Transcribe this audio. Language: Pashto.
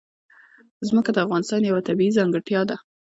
ځمکه د افغانستان یوه طبیعي ځانګړتیا ده.